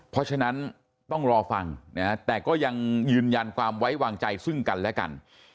เพราะฉะนั้นต้องรอฟังนะฮะแต่ก็ยังยืนยันความไว้วางใจซึ่งกันและกัน